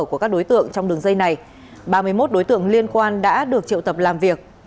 của các đối tượng trong đường dây này ba mươi một đối tượng liên quan đã được triệu tập làm việc